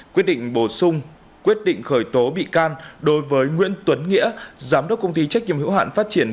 quyết định bổ sung quyết định khởi tố bị can đối với nguyễn tuấn nghĩa giám đốc công ty trách nhiệm hữu hạn phát triển